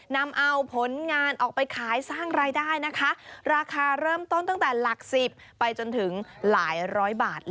นำเอาผลงานออกไปขายสร้างรายได้นะคะราคาเริ่มต้นตั้งแต่หลัก๑๐ไปจนถึงหลายร้อยบาท